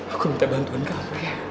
aku minta bantuan kamu